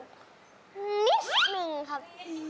นิดนึงครับ